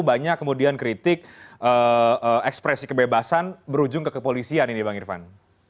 banyak kemudian kritik ekspresi kebebasan berujung ke kepolisian ini bang irvan